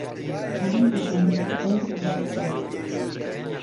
عەلی دەزانێت کە ئەو ڕاستە.